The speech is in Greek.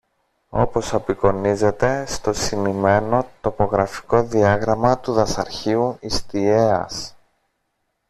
όπως απεικονίζεται στο συνημμένο τοπογραφικό διάγραμμα του Δασαρχείου Ιστιαίας